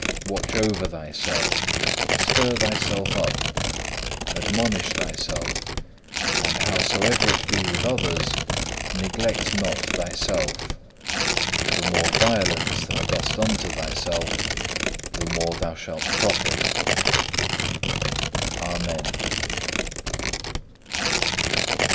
Watch over thyself, stir thyself up, admonish thyself, and howsoever it be with others, neglect not thyself. The more violence thou dost unto thyself, the more thou shall profit. Amen.